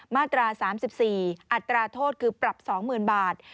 มาตรา๓๔อัตราโทษคือปรับ๒๐๐๐บาท